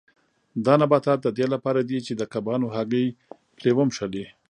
دا نباتات د دې لپاره دي چې د کبانو هګۍ پرې ونښلي.